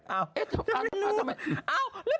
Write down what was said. เอ้าไม่รู้เอ้าแล้วไปทำไม